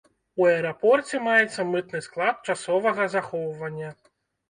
У аэрапорце маецца мытны склад часовага захоўвання.